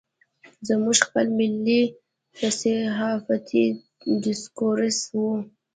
زموږ خپل ملي صحافتي ډسکورس و.